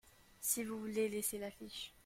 Si vous voulez laisser la fiche.